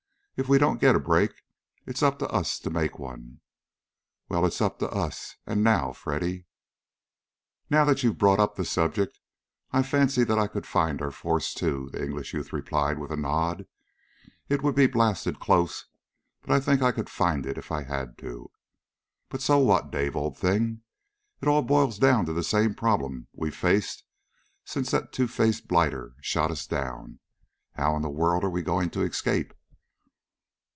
If we don't get a break, it's up to us to make one. Well, it's up to us, and now, Freddy!" "Now that you've brought up the subject, I fancy that I could find our force, too," the English youth replied with a nod. "It would be blasted close, but I think I could find it if I had to. But so what, Dave, old thing? It all boils down to the same problem we've faced since that two faced blighter shot us down. How in the world are we going to escape?"